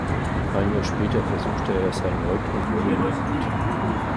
Ein Jahr später versuchte er es erneut und wurde Mitglied.